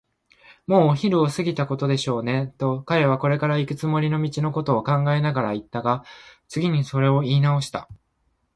「もうお昼を過ぎたことでしょうね」と、彼はこれからいくつもりの道のことを考えながらいったが、次にそれをいいなおした。